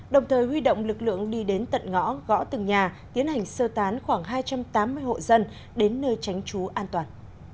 đồng thời huy động lực lượng đi đến tận ngõ gõ từng nhà tiến hành sơ tán khoảng hai trăm tám mươi hộ dân đến nơi tránh trú an toàn